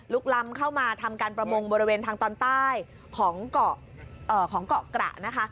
ล้ำเข้ามาทำการประมงบริเวณทางตอนใต้ของเกาะของเกาะกระนะคะ